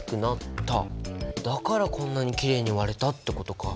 だからこんなにきれいに割れたってことか。